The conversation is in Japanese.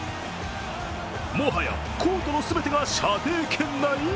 もはやコートの全て射程圏内？